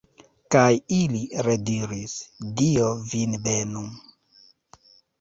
Kaj ili rediris: Dio vin benu!